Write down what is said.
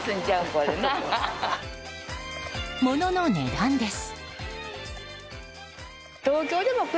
ものの値段です。